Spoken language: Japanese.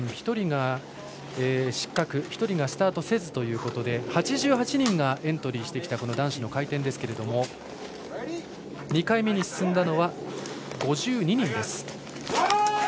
１人が失格１人がスタートせずということで８８人がエントリーしてきた男子の回転ですけれども２回目に進んだのは５２人です。